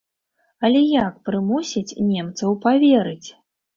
Але як прымусіць немцаў паверыць?